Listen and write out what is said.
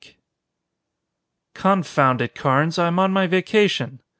_"] "Confound it, Carnes, I am on my vacation!"